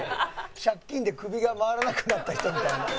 借金で首が回らなくなった人みたいな。